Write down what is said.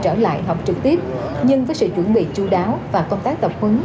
trở lại học trực tiếp nhưng với sự chuẩn bị chú đáo và công tác tập huấn